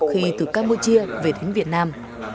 khi từ campuchia về đến việt nam